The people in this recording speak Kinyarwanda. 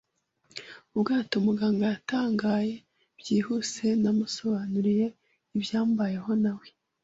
“Ubwato!” Muganga yatangaye. Byihuse namusobanuriye ibyambayeho, na we